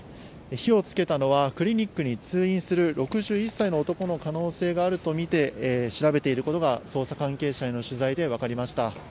火をつけたのは、クリニックに通院する６１歳の男の可能性があると見て、調べていることが、捜査関係者への取材で分かりました。